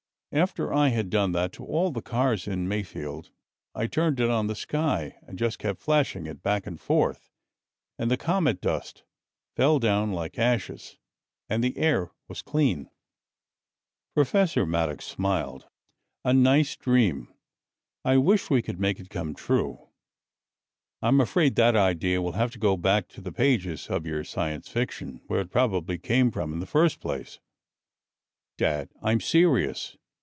After I had done that to all the cars in Mayfield I turned it on the sky and just kept flashing it back and forth and the comet dust fell down like ashes and the air was clean." Professor Maddox smiled. "A nice dream! I wish we could make it come true. I'm afraid that idea will have to go back to the pages of your science fiction, where it probably came from in the first place." "Dad, I'm serious!"